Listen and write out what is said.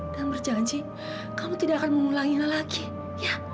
dan berjanji kamu tidak akan mengulangi dia lagi ya